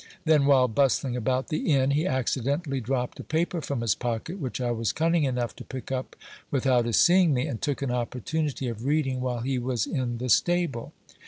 Then, while bustling about the inn, he accidentally dropped a paper from his pocket, which I was cunning enough to pick up with out his seeing me, and took an opportunity of reading while he was in the sta ble.